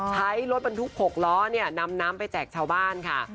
ใช้รถบรรทุก๖ล้อนำน้ำไปแจกชาวบ้านค่ะ